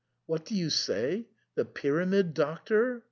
" What do you say ?— the Pyramid Doctor